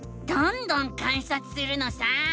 どんどん観察するのさ！